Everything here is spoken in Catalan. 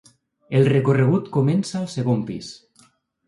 El recorregut comença al segon pis.